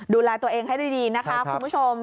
ดูแลตัวเองให้ดีนะคะคุณผู้ชม